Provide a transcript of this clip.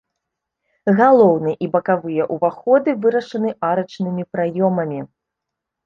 Галоўны і бакавыя ўваходы вырашаны арачнымі праёмамі.